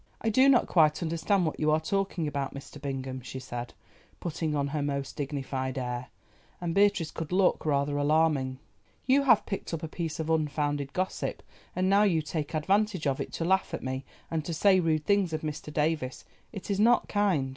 "I do not quite understand what you are talking about, Mr. Bingham," she said, putting on her most dignified air, and Beatrice could look rather alarming. "You have picked up a piece of unfounded gossip and now you take advantage of it to laugh at me, and to say rude things of Mr. Davies. It is not kind."